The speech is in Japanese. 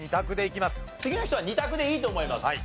次の人は２択でいいと思います。